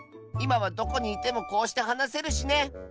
いまはどこにいてもこうしてはなせるしね！